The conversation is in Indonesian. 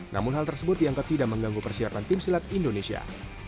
namun hal tersebut dianggap tidak mengganggu persiapan tim silat indonesia